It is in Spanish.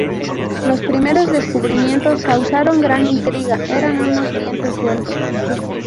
Los primeros descubrimientos causaron gran intriga, eran unos dientes sueltos.